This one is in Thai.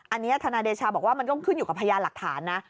อันนี้ทนายเดชาบอกว่ามันก็ขึ้นอยู่กับพยานหลักฐานนะ